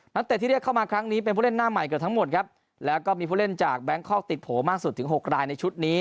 เตะที่เรียกเข้ามาครั้งนี้เป็นผู้เล่นหน้าใหม่เกือบทั้งหมดครับแล้วก็มีผู้เล่นจากแบงคอกติดโผล่มากสุดถึงหกรายในชุดนี้